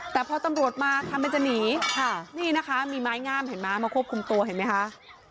แต่พอตำรวจมาทำเป็นจะหนีค่ะนี่นะคะมีไม้งามเห็นไหมมาควบคุมตัวเห็นไหมคะ